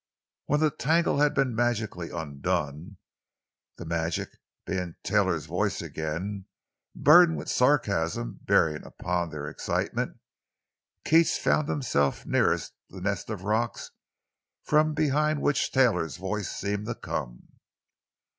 When the tangle had been magically undone—the magic being Taylor's voice again, burdened with sarcasm bearing upon their excitement—Keats found himself nearest the nest of rocks from behind which Taylor's voice seemed to come.